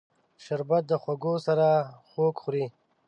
شربت د خوږو سره خوږ خوري